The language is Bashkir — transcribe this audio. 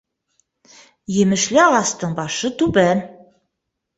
Емешле ағастың башы түбән.